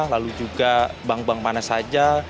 lalu juga bank bank mana saja